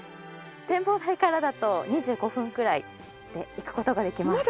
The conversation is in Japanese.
展望台からだと２５分くらいで行く事ができます。